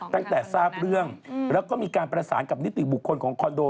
ตั้งแต่ทราบเรื่องแล้วก็มีการประสานกับนิติบุคคลของคอนโด